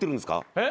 えっ？